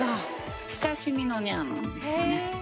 親しみのニャーなんですよね。